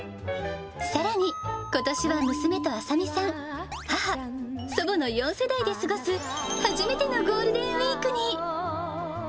さらに、ことしは娘と麻美さん、母、祖母の４世代で過ごす初めてのゴールデンウィークに。